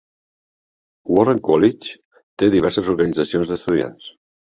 Warren College té diverses organitzacions d'estudiants.